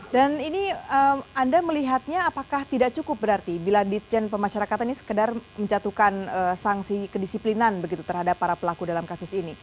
dan ini anda melihatnya apakah tidak cukup berarti bila dirjen pemasyarakatannya sekadar menjatuhkan sanksi kedisiplinan begitu terhadap para pelaku dalam kasus ini